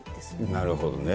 なるほどね。